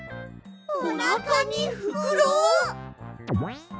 おなかにフクロ！？